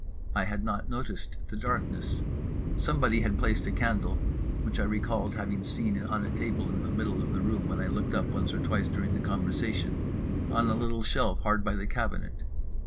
I had not noticed the darkness. Somebody had placed a candle (which I recalled having seen on a table in the middle of the room when I looked up once or twice during the conversation) on a little shelf hard by the cabinet.